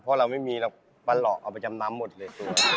เพราะเราไม่มีหรอกป้าหลอกเอาไปจำนำหมดเลย